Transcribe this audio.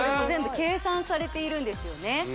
全部計算されているんですよね